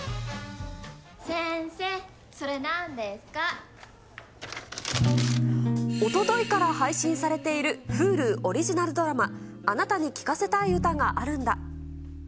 先生、おとといから配信されているＨｕｌｕオリジナルドラマ、あなたに聴かせたい歌があるんだ。